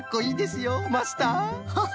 ハハハ。